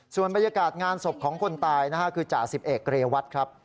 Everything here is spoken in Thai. ส่วนบริษัทงานศพของคนตายจาศิปเอเกฤวัตรครับ